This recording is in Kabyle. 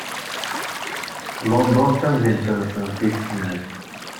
London d tamdint-nsen tis snat.